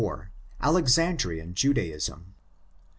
—Alexandrian Judaism.